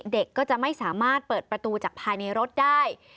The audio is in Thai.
เด็กก็จะไม่สามารถเปิดประตูจากภายในรถได้